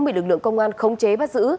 bị lực lượng công an không chế bắt giữ